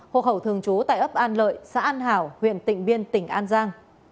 hộ khẩu thường chú tại ấp an lợi xã an hảo huyện tịnh biên tỉnh an giang